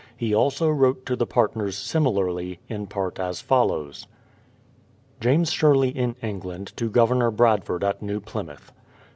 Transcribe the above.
He also wrote to the partners similarly, in part as follows : James Sherley in England to Governor Bradford at New Plymouth